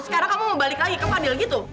sekarang kamu mau balik lagi ke fadil gitu